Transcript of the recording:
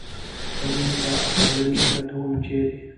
اخترونو ته بنګړي لټوم ، چېرې ؟